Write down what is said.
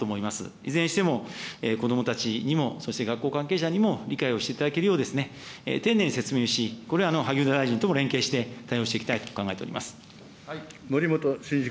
いずれにしても子どもたちにもそして学校関係者にも理解をしていただけるよう、丁寧に説明し、これは萩生田大臣とも連携して、対森本真治君。